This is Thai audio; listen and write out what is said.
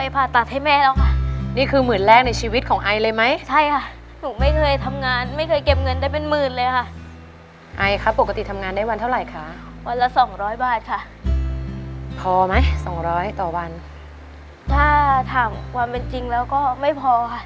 กราศค่ะพอไหมสองร้อยต่อบันถ้าถามว่าเป็นจริงแล้วก็ไม่พอค่ะ